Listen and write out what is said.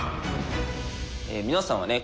皆さんはね